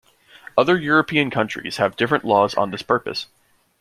Other European countries have different laws on this purpose.